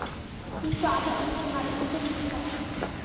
কিন্তু আমরা এই প্রণালী উল্টে দিতে চাই।